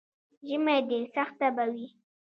ژمی دی، سخته به وي.